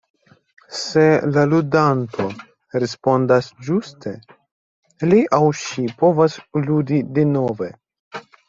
Se la ludanto respondas ĝuste, li aŭ ŝi povas ludi denove.